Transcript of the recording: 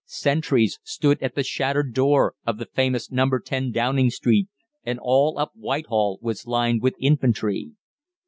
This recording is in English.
Sentries stood at the shattered door of the famous No. 10, Downing Street, and all up Whitehall was lined with infantry.